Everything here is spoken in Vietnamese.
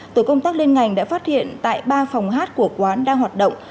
tổ công tác liên ngành đã phát hiện tại ba phòng hát của quán đang hoạt động